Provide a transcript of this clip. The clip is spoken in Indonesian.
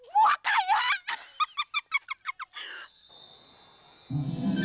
kok jadi begini